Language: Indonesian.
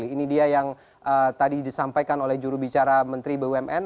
ini dia yang tadi disampaikan oleh jurubicara menteri bumn